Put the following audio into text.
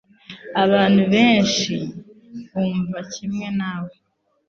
Abantu benshi bumva kimwe nawe.